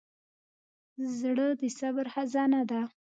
زړه د صبر خزانه ده.